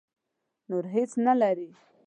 نور هېڅ نه لري.